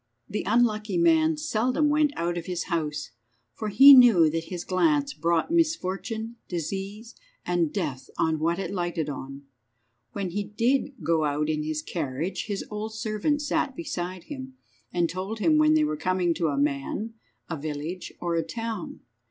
The unlucky man seldom went out of his house, for he knew that his glance brought misfortune, disease, and death on what it lighted on. When he did go out in his carriage his old servant sat beside him, and told him when they were coming to a man, a village, or a town.